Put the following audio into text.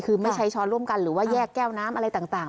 คือไม่ใช้ช้อนร่วมกันหรือว่าแยกแก้วน้ำอะไรต่าง